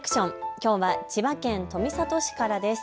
きょうは千葉県富里市からです。